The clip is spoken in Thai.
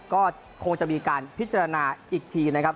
ก็คงจะมีการพิจารณาอีกทีนะครับ